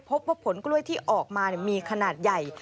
พบว่าผลกล้วยที่ออกมามีขนาดใหญ่